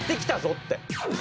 って。